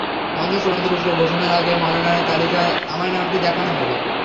মঞ্চে চূড়ান্ত পুরস্কার ঘোষণার আগে মনোনয়নের তালিকায় আমার নামটি দেখানো হবে।